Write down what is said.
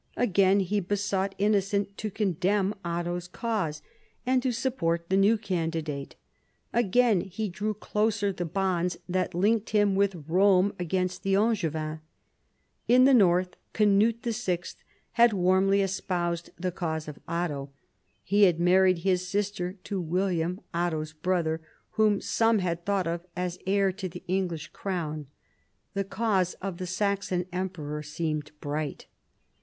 Again he besought Innocent to condemn Otto's cause and to support the 174 PHILIP AUGUSTUS chap. new candidate; again he drew closer the bonds that linked him with Kome against the Angevins. In the north Cnut VI. had warmly espoused the cause of Otto. He had married his sister to William, Otto's brother, whom some had thought of as heir to the English crown. The cause of the Saxon Emperor seemed bright.